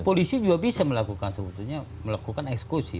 polisi juga bisa melakukan sebetulnya melakukan eksekusi